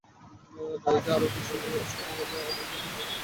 নারীকে আরও বেশি করে শ্রমবাজারে আনার জন্য সরকারের বিশেষ নীতিমালা থাকতে পারে।